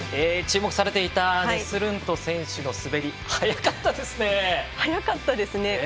注目されていたネスルント選手の滑り速かったですね！